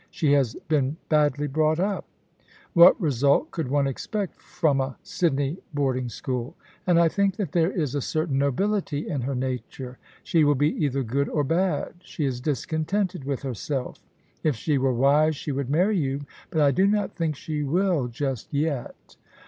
She has been badly brought up. What result could one expect from a Sydney boarding school ? And I think that there is a certain nobility in her natiu e. She will be either good or bad. She is discontented with herself If she were wise she would marry you, but I do not think she will — ^just yet.